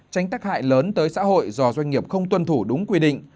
tránh tác hại lớn tới xã hội do doanh nghiệp không tuân thủ đúng quy định